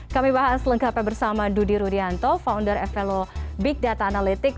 kami bahas lengkapnya bersama dudi rudianto founder evelo big data analytics